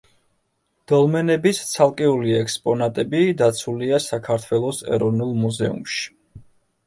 დოლმენების ცალკეული ექსპონატები დაცულია საქართველოს ეროვნულ მუზეუმში.